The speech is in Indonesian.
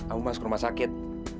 amu masuk rumah sakit